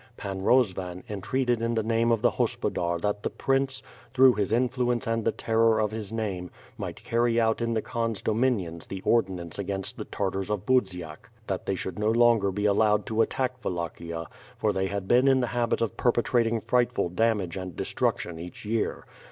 Pan Rozvan entreated in the name of the hospodar that the prince, through his influence and the terror of his name, might carry cut in the Khan's dominions the ordinance against the Tartars of Budziak, that WITH FIRE AND SWORD. jj they should no longer be allowed to attack Wallachia, for they had been in the habit of perpetrating frightful damage and destruction each year.